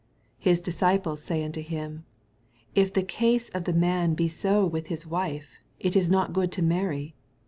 10 His disciples say unto him, If the case of the man be so with his Wife, it is not good to marry.